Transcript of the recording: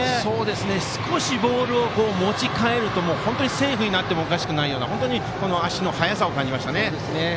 少しボールを持ち替えるとセーフになってもおかしくないような足の速さを感じました。